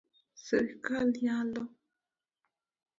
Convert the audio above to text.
Sirkal nyalo